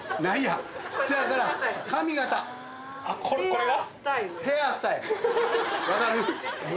これが？